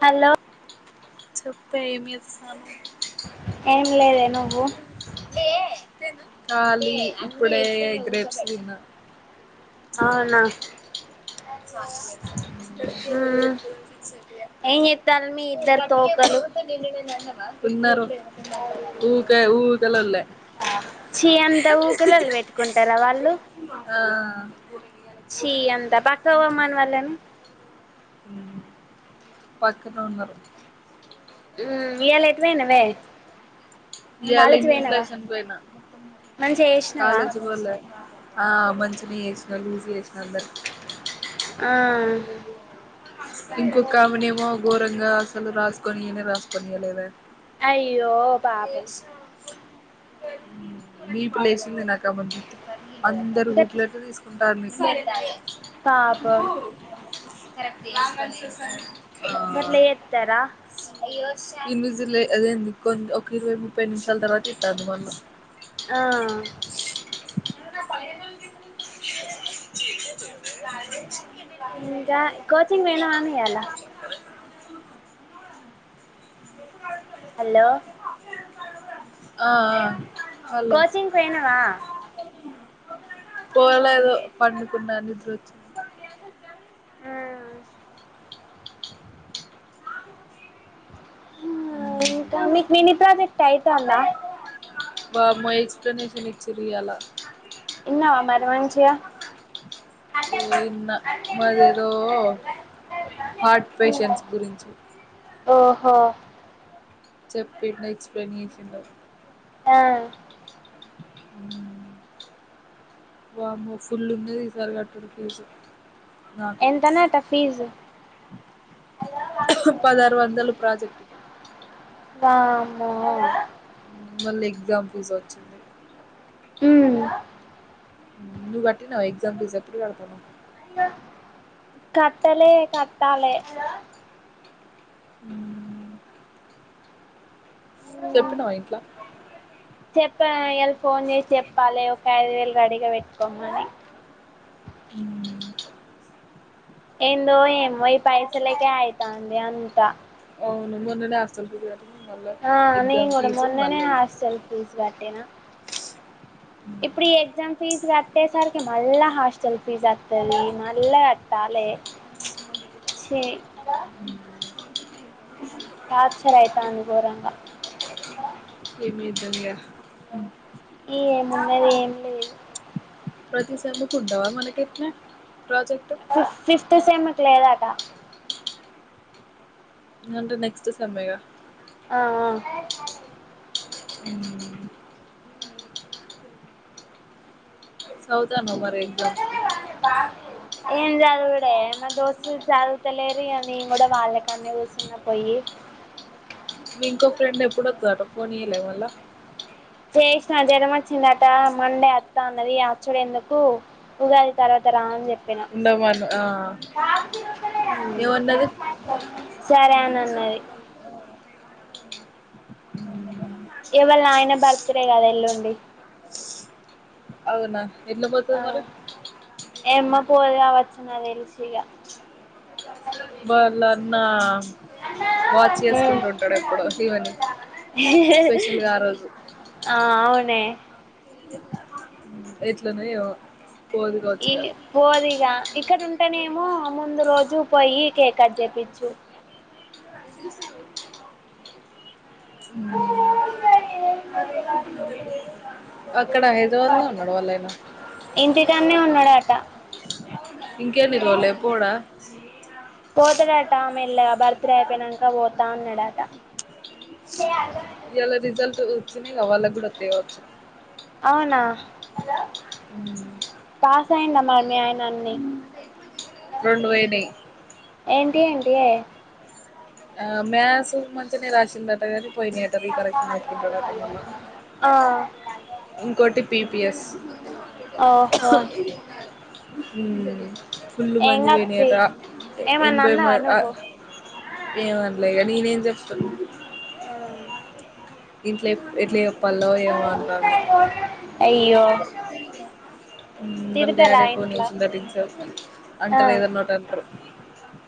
hello చెప్పే ఏం చేస్తానావ్ ఏం లేదే నువ్వు కాలీ ఇప్పుడే గ్రేప్స్ తిన్న అవునా స ర మ్మ్ త ఏం చేత్తాళ్ళు మీ తీస ఇద్దరు తోకలు రటిప్పు ని ఉన్నారు ఊకే ఊకాలలే చి అంటవు ఊకలలు పెట్టుకుంటారా వాళ్ళు ఆ చీ అంద పక్కకి పోమను వాళ్ళని పక్కనే ఉన్నారు మ్మ్ ఈయల ఎటు పోయినవే ఈయల కాలేజీ పోయినవా ఇన్విజిలేషన్ పోయినా మంచిగా చేసినవా కాలేజ్ పోలే ఆ మంచిగనే చేసినా లూజ్గా చేసినా అందరినీ ఆ వాళ్ళు రాసుకొనియానే రాసుకోనియలేదే య్యో పాపం బిపి లేసింది నాకు ఆమెని చూత్తే అందరి గట్ల బుక్లేట్లు తీసుకుంట పాపం [unintelligible] గట్ల చెత్తర ఇన్విసులే అదేంది కొ ఒక ఇరవై ముప్పై నిమిషాల తర్వాత ఇత్తంది మళ్ళ ఆ అయినా పైన [inaudible] ఇంకా కోచింగ్ పోయినవానే ఇయాల [inaudible] హలో ఆ ఆ హలో కోచింగ్ కి పోయినవా పోలేదు పండుకున్న నిద్రొచ్చింది ఆ ఇంకా మీకు మిని ప్రాజెక్ట్ అయితాంద వామ్మో ఎక్సప్లనేషన్ ఇచ్చిరు ఇయ్యాల విన్నవా మరి మంచిగా ఏ ఇన్న మరేదో హార్ట్ పేషెంట్స్ గురించి ఓహో చెప్పిండు ఎక్స్ప్లేషన్డు ఆ ఊ వామ్మో ఫుల్ ఉన్నది ఈసారి కట్టుడు ఫీజు నాకు ఎంతనాట ఫీజు పదహారు వందలు ప్రాజెక్టుకి వామ్మో మళ్ళీ ఎగ్జామ్ ఫీజ్ వచ్చింది ఉమ్ ననువ్వు కట్టినవా ఎగ్జామ్ ఫీజు ఎప్పుడు కడతాన్నవ్ కట్టేలే కట్టాలే ఉ చెప్పినవా ఇంట్ల ఇయ్యాల ఫోన్ చేసి చెప్పాలే ఒక ఐదు వేలు రెడీగా పెట్టుకోమని ఏందో ఏమో ఈ పైసలకే అయితాంది అంత అవును మొన్ననే హాస్టల్ ఫీజు కట్టి ఆ నేను కూడా మొన్ననే హాస్టల్ ఫీజు కట్టినా ఇప్పుడు ఈ ఎగ్జామ్ ఫీజ్ కట్టేసరికి మళ్ళా హాస్టల్ ఫీజు వత్తది మల్లా కట్టాలేే చి ఉ టార్చర్ అయితాంది గోరంగా ఏంచేద్దాం ఇగ ఈ ఏమున్నది ఏం లేదు ప్రతి సేమ్ కి ఉంటావా మనకి ఇట్లా ప్రాజెక్టు ఫిఫ్త్ సెమ్ కి లేదంట అంటే నెక్స్ట్ సేమ్ ఏ గా ఆ ఆ ఉమ్ సదుతన్నావా మరి ఇంట్లో ఏం చదువుడే మా దోస్తులు చదువుతలేరు ఇగ నేను కూడా వాళ్ళకన్నె కూర్చున్న పోయి ను్ ఇంకోఫ్రెండ్ ఎప్పుడు వత్తాదంట ఫోన్ ఇయలే మళ్ళ చేసిన జ్వరం వచ్చిందట మండే అత్తా అన్నది అచ్చుడు ఎందుకు ఉగాది తర్వాత రా అని చెప్పిన ఉండమను ఆ ఆ ఏమన్నది సరే అని అ అన్నది ఎ వాళ్ళ ఆయన బర్త్డే కాదే ఎల్లుండి అవునా ఎట్ల పోతది మరి ఎమ్మో పోదు కావచ్చు నాకు తెలిసి ఇగ వాళ్ళన్న వాచ్ చేసుకుంటు ఉంటడు ఎప్పుడు ఈమెని మ్ స్పెషల్గ ఆ రోజు ఆ అవునే ఎట్లునో ఏమో పోదు కావచ్చు ఇగ ఈడ్నే పోదిగా ఇక్కడుంటేనేమో ముందు రోజు పోయి కేక్ కట్ చెపిచ్చు ఉమ్ అక్కడ హైదరాబాద్లనే ఉన్నాడా వాళ్ళాయనా ఇంటికాన్నే ఉన్నాడట ఇంకేన్ని రోజులే పోడా పోతడట మెల్లగ బర్త్డే అయిపోయినాక పోతా అన్నడట ఇయ్యాల రిజల్ట్ వచ్చినయి గా వాళ్ళకి కూడా ఒత్తయి కావచ్చు హలో ఉమ్ [unintelligible] మీ ఆయన అన్ని రెండు పోయినయి ఇంకెంటియే ఆ మ్యాథ్స్ మంచిగనే రాశందట గని పోయినయట రీకరెక్షన్ పెట్టుకుంటడట ఆ ఇంకోటి పి ఎస్ ఓహో ఆమ్ ఫుల్ు ఏం మందియి కాదు తీ పోయినయట ఏమన్నా ఎనబై అన్నావా మంది ఆ నువ్వు అనలేగా నేనేం చెప్పను ఆ ఇంట్లే ఎట్ల చెప్పాలో ఏమో అంటాన్లు అయ్యో ఉమ్ వాళ్ళ తిడతారా డాడే ఫోన్ ఇంట్లో చేసిందట ఇంతసేపు ఆ అంటరు ఏదన్న ఒకటి అంటరు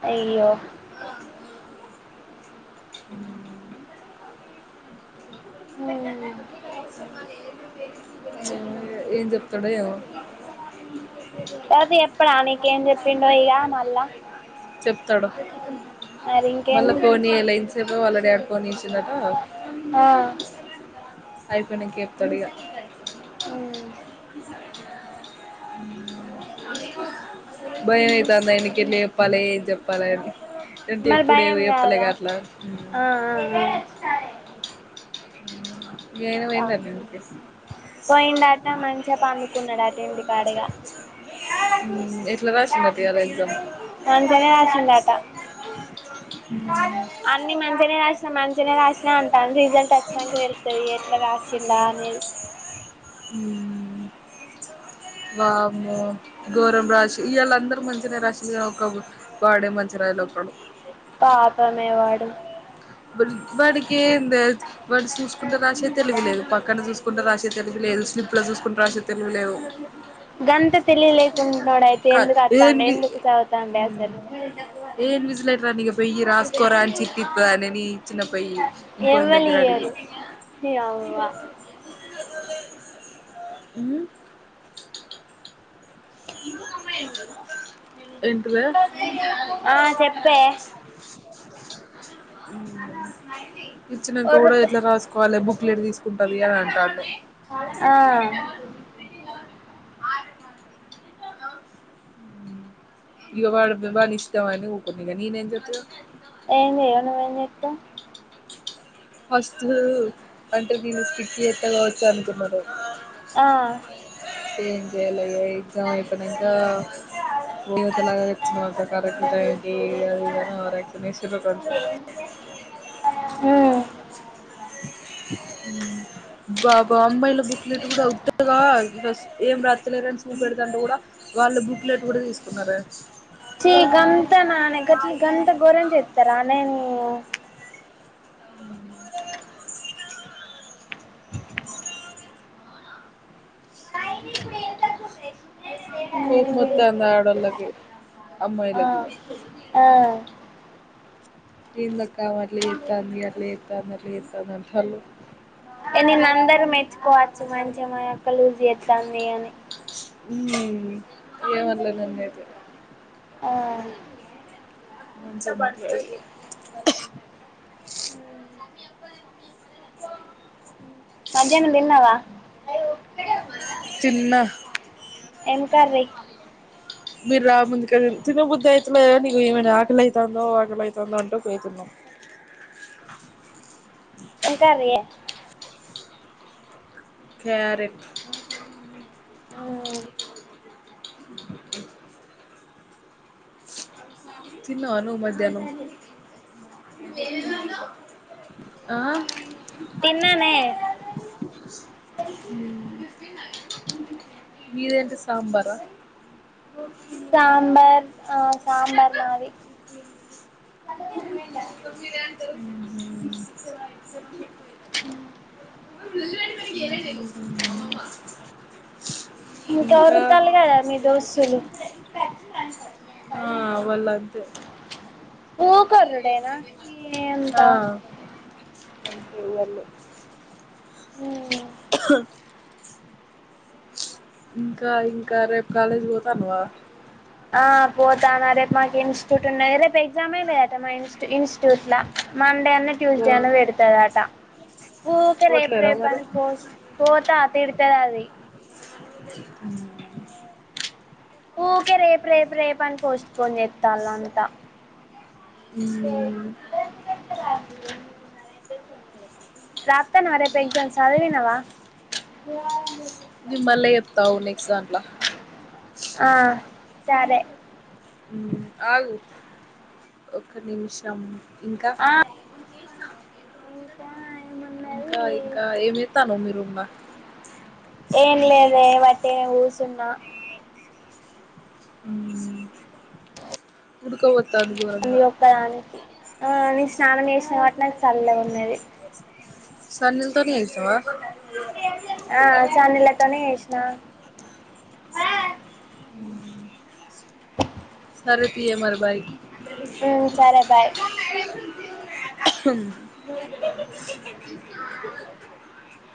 అయ్యో అ ఉమ్ ఏమో ఇగ ఏం చెప్తాడో ఏమో [unintelligible] చెప్పడా నీకేం చెప్పిండో ఇక మళ్ళా చెప్తడు మరి మళ్ళా ఇంకేంది ఫోన్ చేయలే ఇంతసేపు వాళ్ళ డాడీ ఫోన్ చేసిండట ఆ అయిపోయినంక చెప్తడిగా ఉమ్ భయమైతాంది అయినకి ఎట్ల చెప్పాలే ఇది చెప్పాలే అని అంటే మరి ఎప్పుడు ఏం భయం కాదా చెప్పలేగా అట్ల ఆ పోయిండటనా ఇంటికి పోయిండట మంచిగా పండుకున్నడట ఇంటికాడ ఇగ ఎట్లా రాసిందట ఇయాల ఎగ్జామ్ మంచిగనే రాశిండట అన్ని మంచిగనే రా మంచిగనే రాసిన అంటాండు రిజల్ట్ వచ్చినంక తెల్తది ఎట్ల రాశిల్ల అనేది ఉమ్ వామ్మో గోరం రాశి ఇయ్యాలా అందరు మంచినే రాశిర్ ఒక్క బు వాడే మంచి రాయలే అను పాపమే వాడు వెలి వాడ్ ఎమ్ దెల్ త్ వాడు సుసుకుంట రాసే తెలివిలేదు పక్కన చూసుకుంట రాసే తెలివిలేద్ లేదు స్లిప్ లో చూసుకుంట్ రాశే తెలివిలేదు గంత తెలివిలేకుండోడైతే అయితే కా ఎందుకథాండే ఏన్వి ఎందుకు చదువుతాండే అసలు ఏ ఇన్విజీలేటర్ ఇగ పోయి రాసుకోరా అని చిట్టి ఇతదానే ఇచ్చిన పోయి ఇంకొని దేగ్గర అడిగి ఎవ్వలియ్యరు నీ అవ్వ ఉమ్ ఇ అమ [unintelligible] ఏంటిదే ఆ చెప్పే ఇచ్చినంక కూడా ఎట్ల రాసుకోవాలి బుక్లెట్ తీసు ఫుడ్ అలియా అంటాడు ఆ [unintelligible] అ ఇగ వాడు వ్య వాన్ ఇష్టమని ఉకున్న ఇగ నేను ఎమ్ జెప్ప ఎమ్ చేయవ్ నువ్ ఎమ్ జెతావ్ ఫస్టు అంటే నేను స్టీటు జెత్త కావోచ్చు అనుకున్నారు ఆ ఏమ్ జేయలే ఇగ ఎక్సమ్ అయిపెనక ఆ దేవతలగ వచ్చినవ్ అక్క కరక్ట్ టైయన్ కీ ఇగ ఇగ ఓవ ర్యాకుషన్ ఏషీర్ కొంచెం హ్మ్ ఉమ్ [unintelligible] బాబా అమ్మాయిల బుక్లెట్ కూడా ఉత్త గా రస్ ఏం రాతలేరని సుప్ పెడదంటే కూడా వాళ్ళు బుక్లెట్ కూడా తీసుకున్నారే చీ గంత నానే గట్లు గంత ఘోరం చెతరానే నీ అ ఇంకా మళ్లేదా [unintelligible] కొప్ మొతాంది ఆడోలకి ఆ అమ్మాయిలకీ ఆ ఎందక్క అవా అట్లజేతాంది అట్లజెతాంద అట్లజేతనర్ అల్లు ఏ నిన్ను అందరు మెచ్చుకోవచ్చు మంచి గా మా అక్క లూజ్ జెతాంది అని ఉమ్మ్ అన్ లే నన్ను అయితే ఆ కుంసేపు రహి [unintelligible] మధ్యాన్నం తిన్నావా తిన్నా ఏమ్ కర్రీ మీర్ రాముందుకే తిన్ తినబుద్ధి అయితలే గాని ఇగో ఇవానే ఆకాలైతందో ఆకాలైతందో అంటూ పోయి తిన్నాం ఎం కర్రి యే క్యారెట్ తిన్నావ నువ్ మధ్యానం ఆ తిన్ననే మీదేంటి సాంబార సాంబార్ ఆ సంబర్ మాది ఉమ్మ్ ఉమ్ ఎమ్ తింటాన్ దే [unintelligible] ఇంకా ఓర్లు తల్ గదా మీ దోస్తులు ఆ వాళ్ అంతే ఓకే వరుడైన ఇ ఎంత ఆ అంతే హు హ ఇంకా ఇంకా రేపు కాలేజీ పోతానవా ఆ పోతానా రేపు మాకు ఇనిస్ట్యూట్ ఉన్నాది రేపు ఎగ్జామ్ లేదట మా ఇన్ ఇనిస్ట్యూట్ లా మా మండే అన్న ట్యూస్ పో డే అన్న పెడతారట ఓకే రేపు పోట్లేరా రేపు మరి అని పోస్ట్ పోతా తిడుతది అది హు ఊకే రేప్ రేప్ రేప్ అన్ పోస్ట్ పోన్ చేతలంతా హు రాతనవ రేపు ఎగ్జామ్ చదివినవా బుధవారం రోజు నేను మల్ల చెప్తా ఆగు నెక్స్ట్ దాంట్లో ఆ సరే హు అగు ఒక నిమిషం ఇంకా ఆ ఇంకా ఇంకా ఏమో చేస్తాను మీ రూమ్ ల ఏం లేదే వట్టిగనే కూసున్న హు ఉడుక పో నీ ఒక్కదానికి ఆ నేను స్నానం చేసిన కాబట్టి నాకు చల్ల గా ఉన్నది సన్నీ లు తోనే చేసినవా ఆ సన్నీల్లు తోనే చేేసిన హు సరే తీయే మరి బాయ్ ఉ సరే బాయ్ [inaudible]